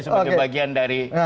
sebagai bagian dari